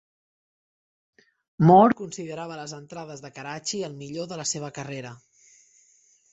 More considerava les entrades de Karachi el millor de la seva carrera.